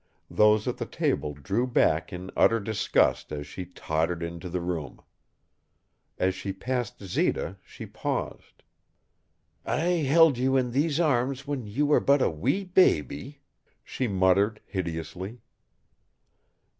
Those at the table drew back in utter disgust as she tottered into the room. As she passed Zita she paused. "I held you in these arms when you were but a wee baby," she muttered, hideously.